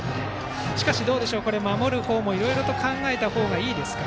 しかし、これは守る方もいろいろと考えた方がいいですか？